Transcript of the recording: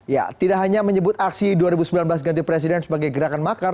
ya tidak hanya menyebut aksi dua ribu sembilan belas ganti presiden sebagai gerakan makar